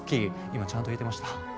今ちゃんと言えてました？